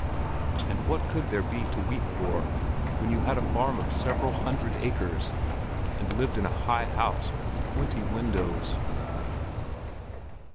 And what could there be to weep for, when you had a farm of several hundred acres, and lived in a high house with twenty windows!